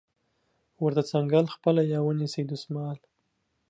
ورته څنګل خپله یا ونیسئ دستمال